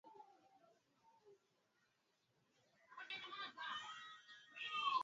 Zawadi lake ni kubwa sana.